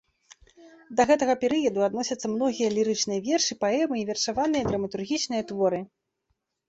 Да гэтага перыяду адносяцца многія лірычныя вершы, паэмы і вершаваныя драматургічныя творы.